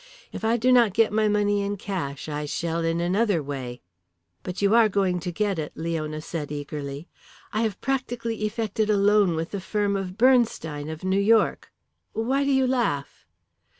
If I do not get my money in cash I shall in another way." "But you are going to get it?" Leona said eagerly. "I have practically effected a loan with the firm of Bernstein of New York why do you laugh?"